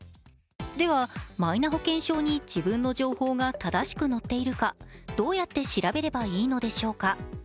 ではマイナ保険証に自分の情報が正しく載っているかどうやって調べればいいのでしょうか？